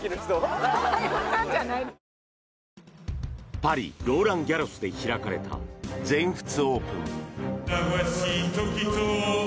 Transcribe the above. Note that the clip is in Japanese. パリ・ローランギャロスで開かれた全仏オープン。